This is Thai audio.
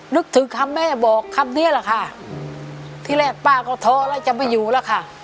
นึกถึงคำแม่บอกคำนี้แหละค่ะที่แรกป้าก็ท้อแล้วจะไม่อยู่แล้วค่ะ